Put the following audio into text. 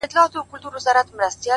لنډۍ په غزل کي- څلورمه برخه-